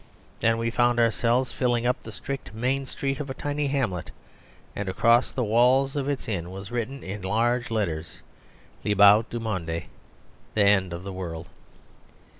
Then we found ourselves filling up the strict main street of a tiny hamlet, and across the wall of its inn was written in large letters, LE BOUT DU MONDE the end of the world.